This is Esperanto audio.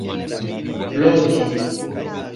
bloki